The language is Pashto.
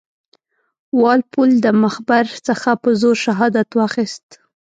وال پول د مخبر څخه په زور شهادت واخیست.